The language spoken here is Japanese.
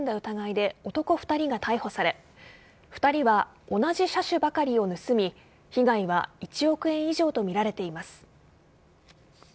疑いで男２人が逮捕され２人は同じ車種ばかりを盗み被害は１億円以上とみられています。